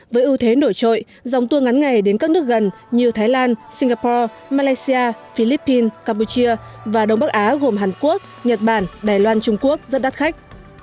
với ưu thế nổi trội dòng tour ngắn ngày đến các nước gần như thái lan singapore malaysia philippines campuchia và đông bắc á gồm hàn quốc nhật bản đài loan trung quốc rất đắt khách